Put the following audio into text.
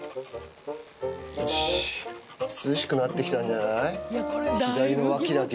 よし、涼しくなってきたんじゃない、左の脇だけ。